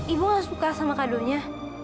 ibu gak suka sama kadunya